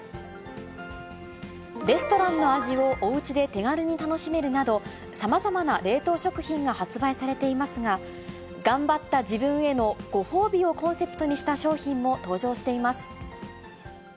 レストランの味をおうちで手軽に楽しめるなど、さまざまな冷凍食品が発売されていますが、頑張った自分へのご褒美をコンセプトにした商品も登場しています。